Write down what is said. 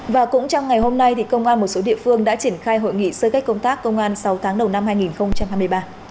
và cũng trong ngày hôm nay công an một số địa phương đã triển khai hội nghị sơ kết công tác công an sáu tháng đầu năm hai nghìn hai mươi ba